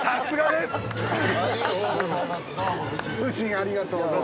◆ありがとうございます。